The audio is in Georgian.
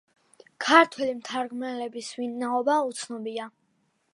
ქართველი მთარგმნელების ვინაობა უცნობია.